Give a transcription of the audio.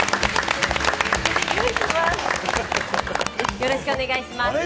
よろしくお願いします。